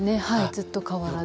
ずっと変わらず。